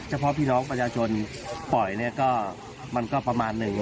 เฉพาะพี่น้องประชาชนปล่อยเนี่ยก็มันก็ประมาณหนึ่ง